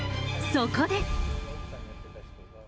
そこで。